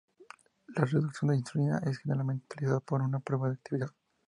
La reducción de insulina es generalmente utilizada como una prueba de actividad.